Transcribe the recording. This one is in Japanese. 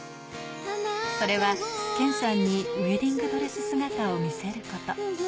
それは謙さんにウエディングドレス姿を見せること。